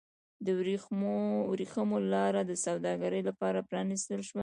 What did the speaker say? د ورېښمو لاره د سوداګرۍ لپاره پرانیستل شوه.